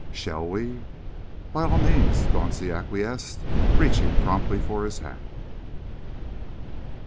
Shall we " "By all means," Dauncey acquiesced, reaching promptly for his hat.